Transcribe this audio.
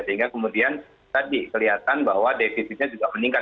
sehingga kemudian tadi kelihatan bahwa defisitnya juga meningkat